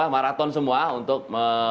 maraton semua untuk